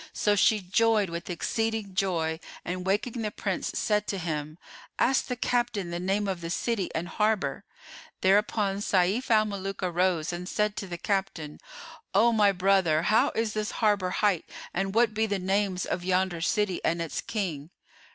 So she joyed with exceeding joy and waking the Prince said to him, "Ask the captain the name of the city and harbour." Thereupon Sayf al Muluk arose and said to the captain, "O my brother, how is this harbour hight and what be the names of yonder city and its King?"